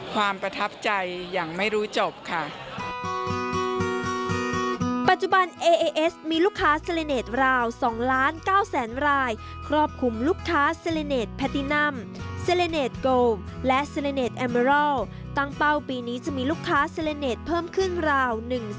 ความประทับใจยังไม่รู้จบค่ะ